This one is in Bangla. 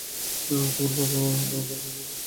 তোমার পাপা পাগল হয়ে গেছে।